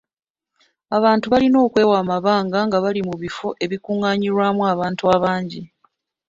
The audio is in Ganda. Abantu balina okwewa amabanga nga bali mu bifo ebikungaanirwamu abantu abangi.